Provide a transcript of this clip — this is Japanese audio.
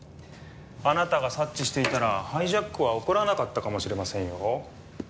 あなたが察知していたらハイジャックは起こらなかったかもしれませんよ。